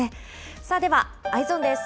さあ、ではＥｙｅｓｏｎです。